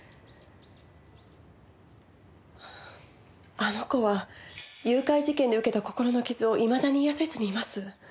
あの子は誘拐事件で受けた心の傷をいまだに癒やせずにいます。